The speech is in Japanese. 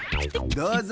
どうぞ。